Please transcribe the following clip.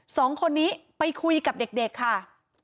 สองคนนี้ไปคุยกับเด็กค่ะ